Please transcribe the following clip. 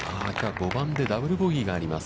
５番でダブル・ボギーがあります。